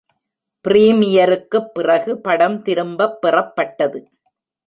பிரீமியருக்குப் பிறகு படம் திரும்பப் பெறப்பட்டது.